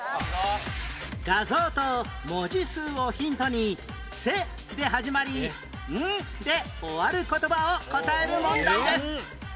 画像と文字数をヒントに「せ」で始まり「ん」で終わる言葉を答える問題です